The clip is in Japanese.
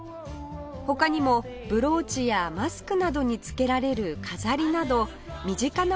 他にもブローチやマスクなどに付けられる飾りなど身近な